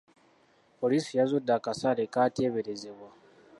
Poliisi yazudde akasaale k'ateberezebbwa.